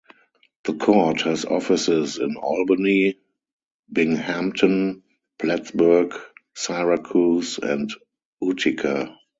The court has offices in Albany, Binghamton, Plattsburgh, Syracuse, and Utica.